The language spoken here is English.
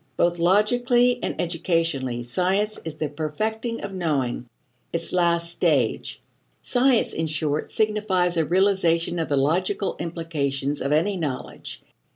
Both logically and educationally, science is the perfecting of knowing, its last stage. Science, in short, signifies a realization of the logical implications of any knowledge.